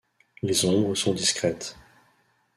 Les ombres sont discrètes.